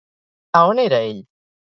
A on era ell?